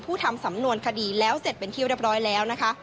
ทำสำนวนคดีแล้วเสร็จเป็นที่เรียบร้อยแล้วนะคะ